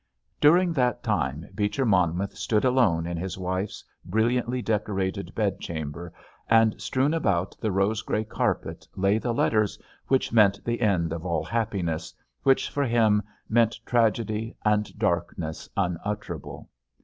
During that time Beecher Monmouth stood alone in his wife's brilliantly decorated bedchamber, and strewn about the rose grey carpet lay the letters which meant the end of all happiness, which for him meant tragedy and darkness unutterable.